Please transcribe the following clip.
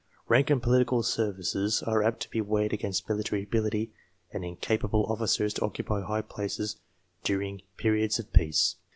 Rank and political services are apt to be weighed against military ability, and incapable officers to occupy high places during periods of peace.